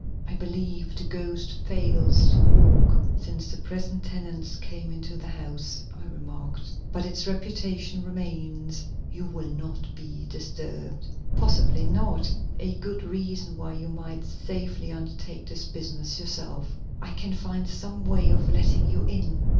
"I believe the ghost fails to walk since the present tenants came into the house," I remarked. "But its reputation remains; you'll not be disturbed." "Possibly not; a good reason why you might safely undertake the business yourself. I can find some way of letting you in."